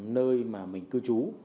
nơi mà mình cư trụ